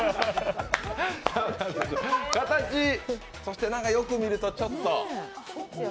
形、よく見るとちょっと。